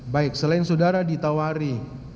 baik selain saudara ditawari